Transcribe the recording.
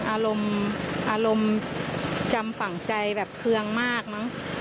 อารมณ์จำฝังใจแบบเครื่องมากนั้น